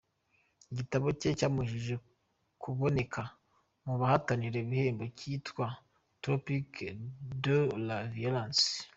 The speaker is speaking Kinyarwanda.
Igitabo cye cyamuhesheje kuboneka mu bahatanira ibihembo cyitwa “Tropique de la violence”.